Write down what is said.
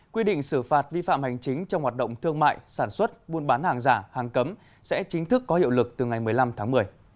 quy định xử phạt vi phạm hành chính trong hoạt động thương mại sản xuất buôn bán hàng giả hàng cấm sẽ chính thức có hiệu lực từ ngày một mươi năm tháng một mươi